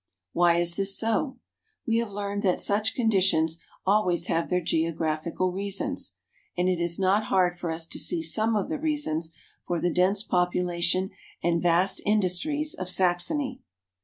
Why is this so ? We have learned that such conditions always have their geographical reasons ; and it is not hard for us to see some of the reasons for the dense population and vast industries of Saxony.